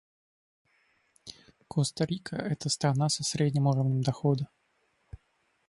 Коста-Рика — это страна со средним уровнем дохода.